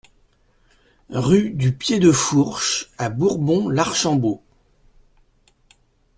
Rue du Pied de Fourche à Bourbon-l'Archambault